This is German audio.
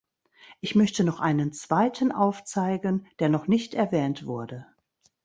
Ich möchte noch einen zweiten aufzeigen, der noch nicht erwähnt wurde.